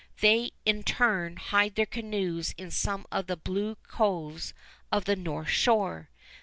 They, in turn, hide their canoes in some of the blue coves of the north shore.